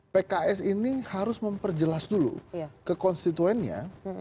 pks ini harus memperjelas dulu ke konstituennya